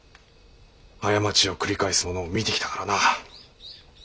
過ちを繰り返す者を見てきたからな。